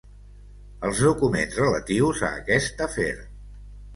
Els documents relatius a aquest afer.